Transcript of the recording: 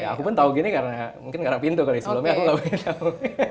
aku pun tahu gini karena mungkin karena pintu kali sebelumnya aku nggak punya tahu